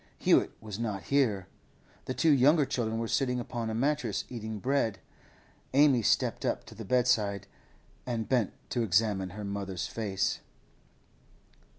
Hewett was not here. The two younger children were sitting upon a mattress, eating bread. Amy stepped up to the bedside and bent to examine her mother's face.